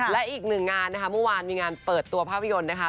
และอีกหนึ่งงานนะคะเมื่อวานมีงานเปิดตัวภาพยนตร์นะคะ